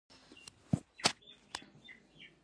له کوره چې څنګه ووتل، ګل صنمې مخې ته ورغله.